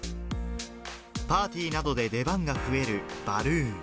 パーティーなどで出番が増えるバルーン。